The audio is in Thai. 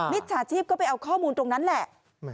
จฉาชีพก็ไปเอาข้อมูลตรงนั้นแหละ